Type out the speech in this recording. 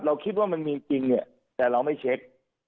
คิดว่ามันมีจริงเนี่ยแต่เราไม่เช็ค